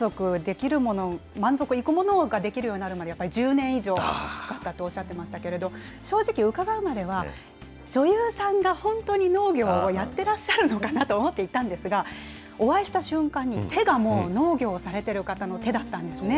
満足いくものが出来るようになるまでやっぱり１０年以上かかったっておっしゃってましたけど、正直、伺うまでは、女優さんが本当に農業をやってらっしゃるのかなと思っていたんですが、お会いした瞬間に、手がもう農業をされてる方の手だったんですね。